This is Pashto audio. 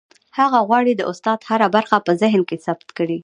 هغه غواړي د استاد هره خبره په ذهن کې ثبت کړي.